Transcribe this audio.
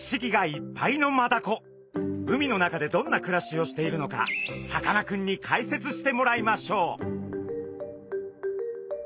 海の中でどんな暮らしをしているのかさかなクンに解説してもらいましょう。